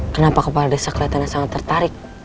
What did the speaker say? kenapa kepala desa kelihatannya sangat tertarik